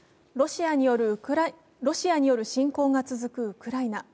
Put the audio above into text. ロシアによる侵攻が続くウクライナ。